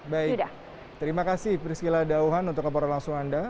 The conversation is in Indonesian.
baik terima kasih priscila dauhan untuk laporan langsung anda